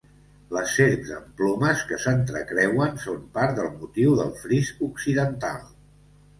Les serps amb plomes que s'entrecreuen són part del motiu del fris occidental.